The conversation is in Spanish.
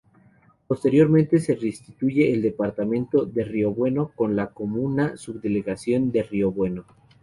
Posteriormente se restituye el Departamento de Río Bueno, con la comuna-subdelegación de Río Bueno.